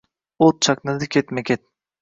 O’t chaqnadi ketma-ket.